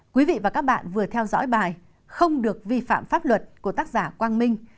quý vị và các bạn vừa theo dõi bài không được vi phạm pháp luật của tác giả quang minh